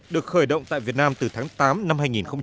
được khởi động tại việt nam từ tháng tám năm hai nghìn một mươi chín